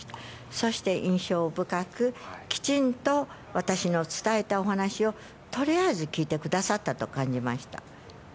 そして、印象深く、きちんと私の伝えたお話をとりあえず聞いてくださったと感じました。